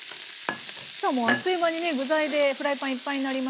あっという間にね具材でフライパンいっぱいになりましたが。